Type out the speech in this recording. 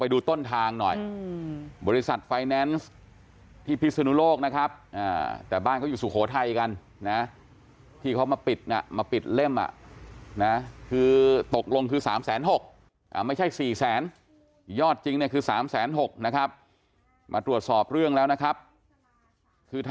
เพราะว่าโดดยิดงกันทั้งคู่